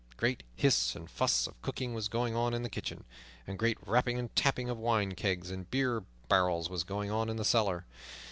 Great hiss and fuss of cooking was going on in the kitchen, and great rapping and tapping of wine kegs and beer barrels was going on in the cellar.